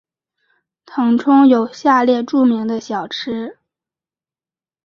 腾冲有下列著名的小吃。